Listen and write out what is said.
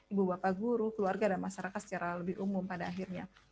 ibu bapak guru keluarga dan masyarakat secara lebih umum pada akhirnya